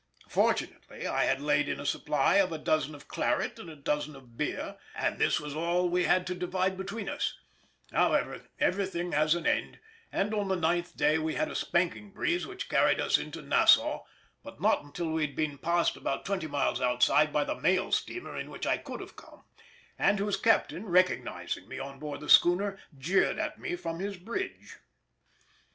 Fortunately I had laid in a supply of a dozen of claret and a dozen of beer, and this was all we had to divide between us; however, everything has an end, and on the ninth day we had a spanking breeze which carried us in to Nassau, but not until we had been passed about twenty miles outside by the mail steamer in which I could have come, and whose captain, recognising me on board the schooner, jeered at me from his bridge.